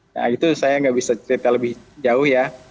nah itu saya nggak bisa cerita lebih jauh ya